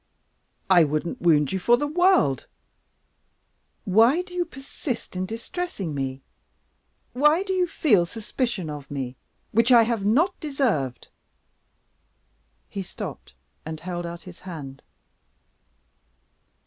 "I wouldn't wound you for the world! Why do you persist in distressing me? Why do you feel suspicion of me which I have not deserved?" He stopped, and held out his hand.